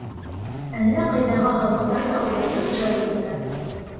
Әллә ҡайҙағы халыҡтар ҙа уларҙың ижадын белә.